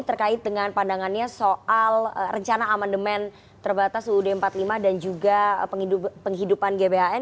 terkait dengan pandangannya soal rencana amandemen terbatas uud empat puluh lima dan juga penghidupan gbhn